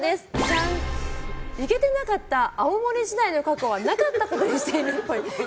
イケてなかった青森時代の過去はなかったことにしているっぽい。